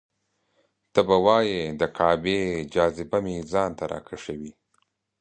ته به وایې د کعبې جاذبه مې ځان ته راکشوي.